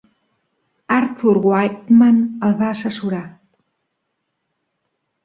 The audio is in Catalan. Arthur Wightman el va assessorar.